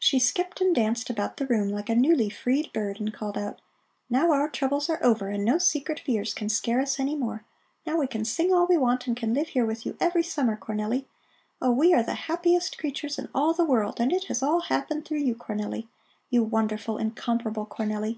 She skipped and danced about the room like a newly freed bird and called out: "Now our troubles are over and no secret fears can scare us any more. Now we can sing all we want and can live here with you every summer, Cornelli. Oh, we are the happiest creatures in all the world, and it has all happened through you, Cornelli; you wonderful, incomparable Cornelli!"